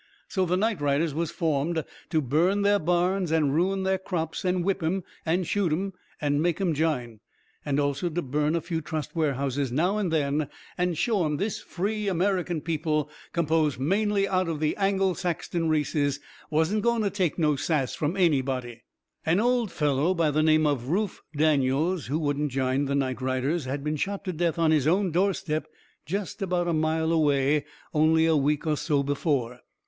So the night riders was formed to burn their barns and ruin their crops and whip 'em and shoot 'em and make 'em jine. And also to burn a few trust warehouses now and then, and show 'em this free American people, composed mainly out of the Angle Saxton races, wasn't going to take no sass from anybody. An old feller by the name of Rufe Daniels who wouldn't jine the night riders had been shot to death on his own door step, jest about a mile away, only a week or so before.